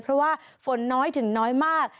เพราะว่าฝนน้อยถึงน้อยมาก